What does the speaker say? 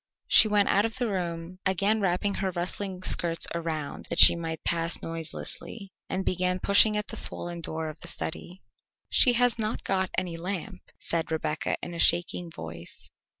She went out of the room, again wrapping her rustling skirts around that she might pass noiselessly, and began pushing at the swollen door of the study. "She has not got any lamp," said Rebecca in a shaking voice.